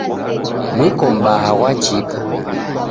Mwiko mbaha ghwachika.